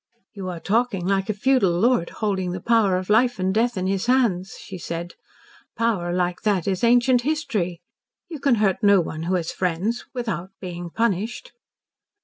"You are talking like a feudal lord holding the power of life and death in his hands," she said. "Power like that is ancient history. You can hurt no one who has friends without being punished."